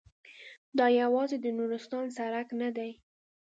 دا یوازې د نورستان سړک نه دی.